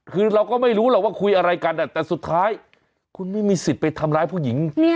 คือเราก็ไม่รู้หรอกว่าคุยอะไรกันแต่สุดท้ายคุณไม่มีสิทธิ์ไปทำร้ายผู้หญิง